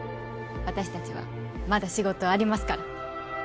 私たちはまだ仕事ありますから。